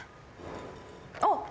あっ！